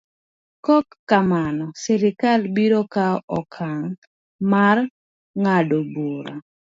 Ka ok kamano, sirkal biro kawo okang' mar ng'ado bura.